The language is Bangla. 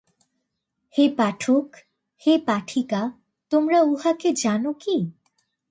হে পাঠক, হে পাঠিকা, তোমরা উঁহাকে জান কি।